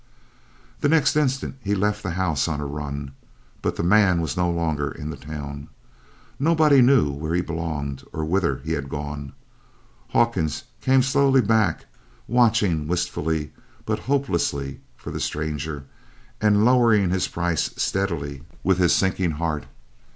The next instant he left the house on a run. But the man was no longer in the town. Nobody knew where he belonged or whither he had gone. Hawkins came slowly back, watching wistfully but hopelessly for the stranger, and lowering his price steadily with his sinking heart.